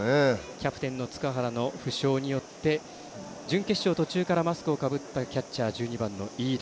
キャプテンの塚原の負傷によって準決勝途中からマスクをかぶったキャッチャー、１２番、飯田。